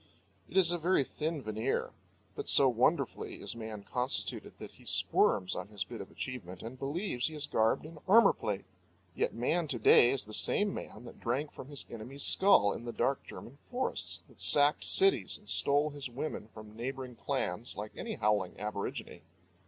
It is a very thin veneer; but so wonderfully is man constituted that he squirms on his bit of achievement and believes he is garbed in armour plate. Yet man to day is the same man that drank from his enemy's skull in the dark German forests, that sacked cities, and stole his women from neighbouring clans like any howling aborigine.